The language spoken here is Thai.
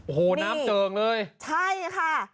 โอ้โหน้ำเจิงเลยใช่ค่ะ